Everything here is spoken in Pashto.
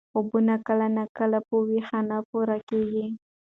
خوبونه کله ناکله په ویښه نه پوره کېږي.